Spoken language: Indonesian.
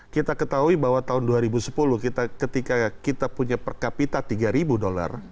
kita ketahui bahwa tahun dua ribu sepuluh ketika kita punya per kapita tiga ribu dollar